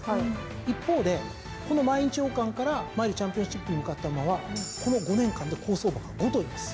一方でこの毎日王冠からマイルチャンピオンシップに向かった馬はこの５年間で好走馬が５頭います。